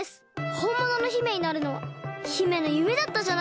ほんものの姫になるのは姫のゆめだったじゃないですか！